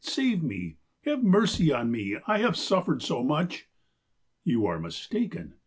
Save me ! Have mercy on me ! I have suffered so much.' '''You are mistaken.